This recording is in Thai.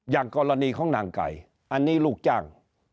อย่างกรณีของนางไก่อันนี้ลูกจ้าง